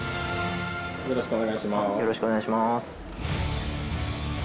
よろしくお願いします。